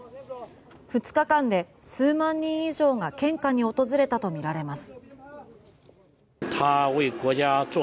２日間で数万人以上が献花に訪れたとみられます。